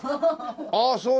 ああそうなんだ。